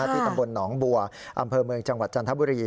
ที่ตำบลหนองบัวอำเภอเมืองจังหวัดจันทบุรี